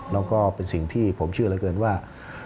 แล้วก็เป็นสิ่งที่ผมเชื่อเหลือเกินว่า